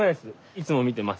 いつも見てます。